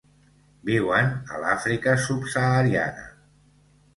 Viuen a l'Àfrica subsahariana.